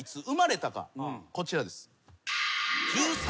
こちらです。